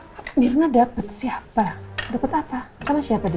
mbak mirna dapet siapa dapet apa sama siapa dia